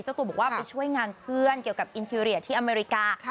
ตัวบอกว่าไปช่วยงานเพื่อนเกี่ยวกับอินทีเรียที่อเมริกา